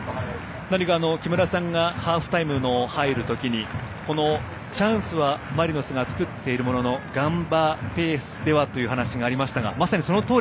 木村さんがハーフタイムに入る時にチャンスはマリノスが作っているもののガンバペースではという話がありました。